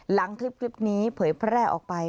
หลังคลิปนี้เผยแพร่ออกไป